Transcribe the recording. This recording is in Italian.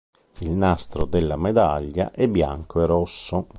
Il "nastro" della medaglia è bianco e rosso.